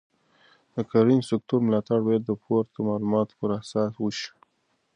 د کرنې سکتور ملاتړ باید د پورته معلوماتو پر اساس وشي.